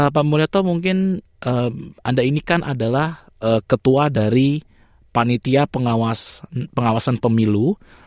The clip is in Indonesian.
pak mulyoto mungkin anda ini kan adalah ketua dari panitia pengawasan pemilu